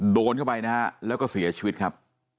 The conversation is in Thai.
โดนเข้าไปนะฮะแล้วก็เสียชีวิตครับ